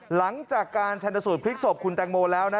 หลังจากการชนสูตรพลิกศพคุณแตงโมแล้วนะ